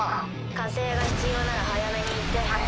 加勢が必要なら早めに言って。